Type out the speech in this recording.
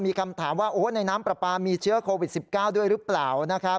มีคำถามว่าในน้ำปลาปลามีเชื้อโควิด๑๙ด้วยหรือเปล่านะครับ